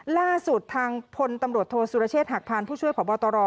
ล่าสุดทางพลตำรวจโทษสุรเชษฐหักพานผู้ช่วยพบตร